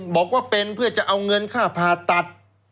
บอกว่าเป็นเพื่อจะเอาเงินค่าผ่าตัด